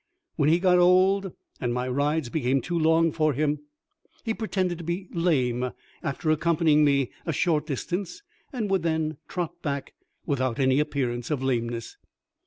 when he got old, and my rides became too long for him, he pretended to be lame after accompanying me a short distance, and would then trot back without any appearance of lameness.